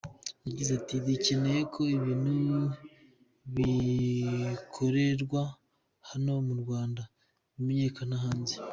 Yagize ati ” Dukeneye ko ibintu bikorerwa hano mu Rwanda bimenyekana hanze.